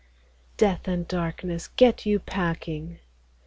Death and darkness, get you packing